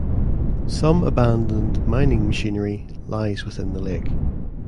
Some abandoned mining machinery lies within the lake.